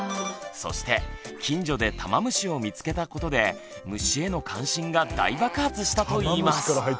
そして近所でタマムシを見つけたことで虫への関心が大爆発したといいます。